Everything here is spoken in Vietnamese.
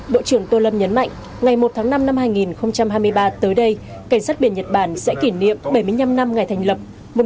bộ trưởng tô lâm nhấn mạnh ngày một tháng năm năm hai nghìn hai mươi ba tới đây cảnh sát biển nhật bản sẽ kỷ niệm bảy mươi năm năm ngày thành lập một nghìn chín trăm bốn mươi tám hai nghìn hai mươi ba